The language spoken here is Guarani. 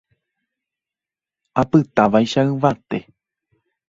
apytávaicha yvate